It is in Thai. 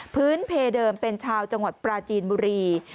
พื้นเพเดิมเป็นชาวจังหวัดปราจีนบุรี